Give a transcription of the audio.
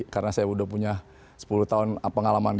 karena saya sudah punya sepuluh tahun pengalaman